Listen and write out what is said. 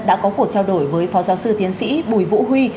đã có cuộc trao đổi với phó giáo sư tiến sĩ bùi vũ huy